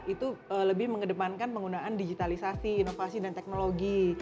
itu lebih mengedepankan penggunaan digitalisasi inovasi dan teknologi